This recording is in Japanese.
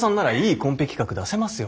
コンペ企画出せますよ。